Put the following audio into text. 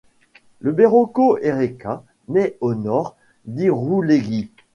Le Berroko erreka naît au nord d'Irouléguy.